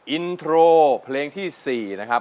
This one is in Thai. อินโทรเพลงที่๔นะครับ